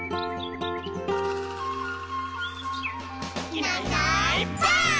「いないいないばあっ！」